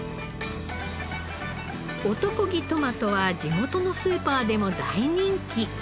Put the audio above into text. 男気トマトは地元のスーパーでも大人気。